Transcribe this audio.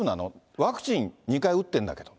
ワクチン２回打ってるんだけど。